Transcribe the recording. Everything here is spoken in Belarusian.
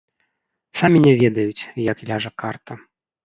Самі не ведаюць, як ляжа карта.